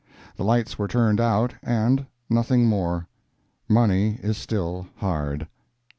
The lights were turned out, and—nothing more. Money is still hard.